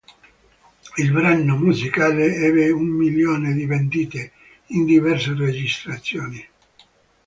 Il brano musicale ebbe un milione di vendite, in diverse registrazioni.